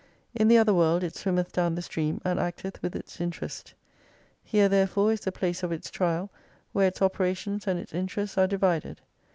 In the other world it swimmeth down the stream, and acteth with its interest. Here therefore is the place of its trial where its opera tions and its interests are divided.